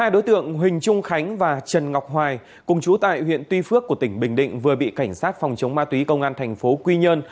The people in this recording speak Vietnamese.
hai đối tượng huỳnh trung khánh và trần ngọc hoài cùng chú tại huyện tuy phước của tỉnh bình định vừa bị cảnh sát phòng chống ma túy công an thành phố quy nhơn